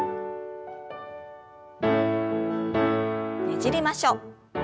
ねじりましょう。